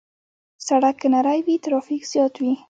سړک که نری وي، ترافیک زیات وي.